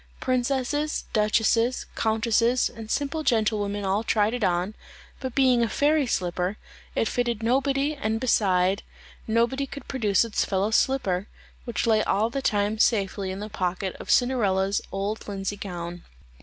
Princesses, duchesses, countesses, and simple gentlewomen all tried it on, but being a fairy slipper, it fitted nobody and beside, nobody could produce its fellow slipper, which lay all the time safely in the pocket of Cinderella's old linsey gown.